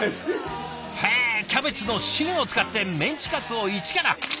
へえキャベツの芯を使ってメンチカツをイチから？